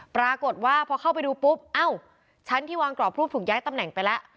ปรากฏว่าพอเข้าไปดูปุ๊บเอ้าชั้นที่วางกรอบรูปถูกย้ายตำแหน่งไปแล้ว